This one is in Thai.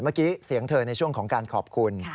เมื่อกี้เสียงเธอในช่วงของการขอบคุณ